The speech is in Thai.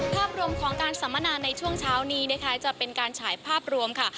ภาพรวมของการสัมมนาในช่วงเช้านี้นะคะจะเป็นการฉายภาพรวมค่ะ